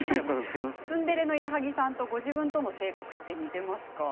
ツンデレの矢作さんとご自分との性格、似ていますか？